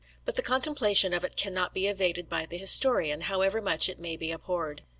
But the contemplation of it cannot be evaded by the historian, however much it may be abhorred.